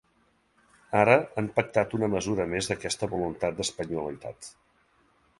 Ara han pactat una mesura més d’aquesta voluntat d’espanyolitat.